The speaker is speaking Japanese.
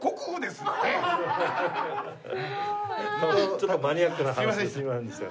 ちょっとマニアックな話ですいませんでした。